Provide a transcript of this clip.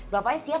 bapaknya siap lah